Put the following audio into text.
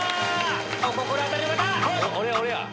お心当たりの方！